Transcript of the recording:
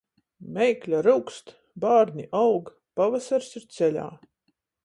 Meikle ryugst, bārni aug, pavasars ir ceļā.